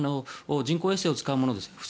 人工衛星を使うものです。